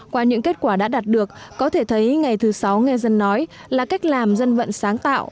qua những kết quả đã đạt được có thể thấy ngày thứ sáu nghe dân nói là cách làm dân vận sáng tạo